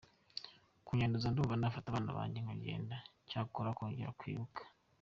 kunyanduza numva nafata abana banjye nkagenda cyakora nkongera nkibuka.